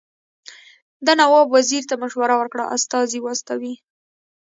ده نواب وزیر ته مشوره ورکړه استازي واستوي.